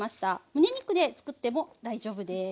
むね肉で作っても大丈夫です。